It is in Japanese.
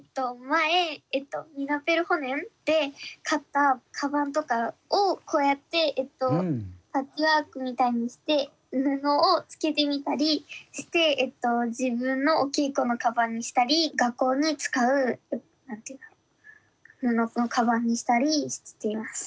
前「ミナペルホネン」で買ったカバンとかをこうやってパッチワークみたいにして布をつけてみたりして自分のお稽古のカバンにしたり学校に使う布のカバンにしたりしています。